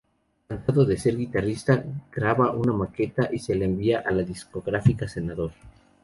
Cansado de ser guitarrista, graba una maqueta y la envía a la discográfica Senador.